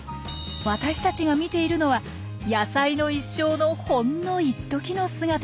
私たちが見ているのは野菜の一生のほんのいっときの姿なんです。